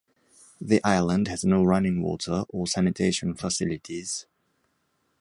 The island has no running water or sanitation facilities.